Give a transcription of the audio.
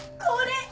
これ！